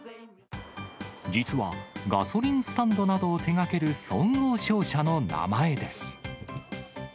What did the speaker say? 実はガソリンスタンドなどを手がける総合商社の名前です。